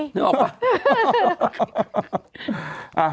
เฮ้ยนึกออกก่ะ